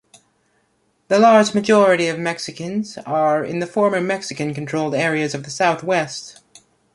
The large majority of Mexicans are in the former Mexican-controlled areas in the Southwest.